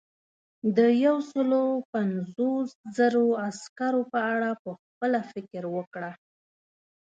د یو سلو پنځوس زرو عسکرو په اړه پخپله فکر وکړه.